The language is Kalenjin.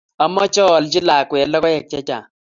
Amache aalji lakwet logoek chechang'